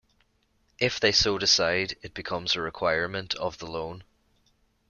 If they so decide, it becomes a requirement of the loan.